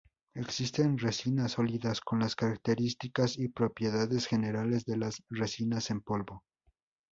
Existen resinas sólidas con las características y propiedades generales de las resinas en polvo.